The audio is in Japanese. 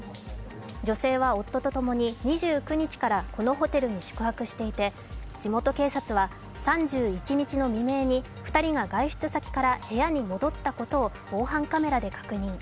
女性は夫とともに２９日からこのホテルに宿泊していて地元警察は３１日の未明に２人が外出先から部屋に戻ったことを防犯カメラで確認。